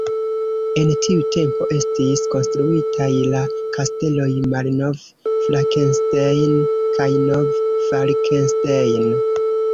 En tiu tempo estis konstruitaj la kasteloj Malnov-Flakenstein kaj Nov-Falkenstein.